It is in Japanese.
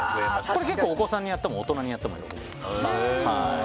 結構お子さんにやっても大人にやっても喜びます。